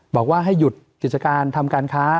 บอกว่าให้หยุดกิจการทำการค้า